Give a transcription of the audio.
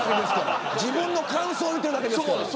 自分の感想を言っているだけですから。